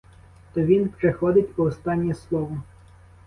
То він приходить по останнє слово.